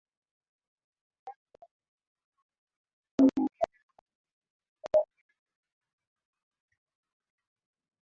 wake ni ubovu wa miundombinu ya Barabara pamoja na ubovu wa mifereji ya kupitisha